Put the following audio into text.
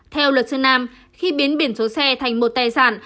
theo luật sư nam khi biến biển số xe thành một tài sản